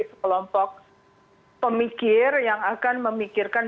sekelompok pemikir yang akan memikirkan